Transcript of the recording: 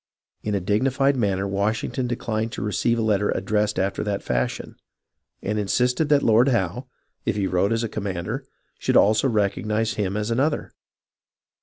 In a dignified manner Washington declined to receive a letter addressed after that fashion, and insisted that Lord Howe, if he wrote as a commander, should also recognize him as another.